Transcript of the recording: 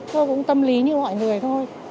tôi cũng tâm lý như mọi người thôi